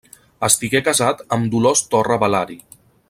Estigué casat amb Dolors Torra Balari.